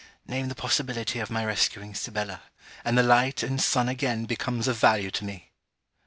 Name the possibility of my rescuing Sibella, and the light and sun again becomes of value to me!